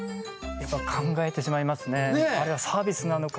やっぱ考えてしまいますね。